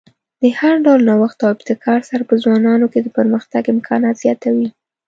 د هر ډول نوښت او ابتکار سره په ځوانانو کې د پرمختګ امکانات زیاتوي.